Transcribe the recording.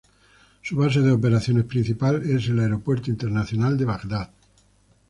Su base de operaciones principal es el Aeropuerto Internacional de Bagdad.